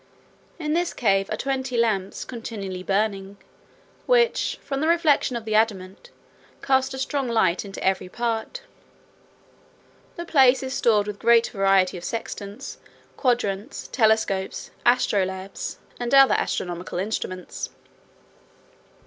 In this cave are twenty lamps continually burning, which, from the reflection of the adamant, cast a strong light into every part. The place is stored with great variety of sextants, quadrants, telescopes, astrolabes, and other astronomical instruments.